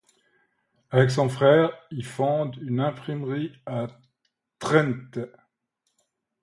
Avec son frère, il fonde une imprimerie à Trente.